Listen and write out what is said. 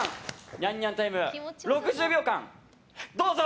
ニャンニャンタイム６０秒間、どうぞ！